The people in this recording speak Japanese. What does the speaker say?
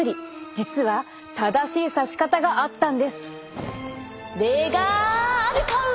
実は正しいさし方があったんです。